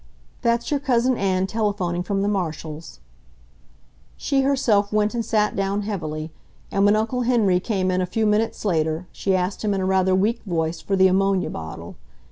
"That's your Cousin Ann telephoning from the Marshalls'." She herself went and sat down heavily, and when Uncle Henry came in a few minutes later she asked him in a rather weak voice for the ammonia bottle.